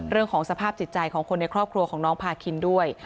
เรื่องของสภาพจิตใจของคนในครอบครัวของน้องพาคินด้วย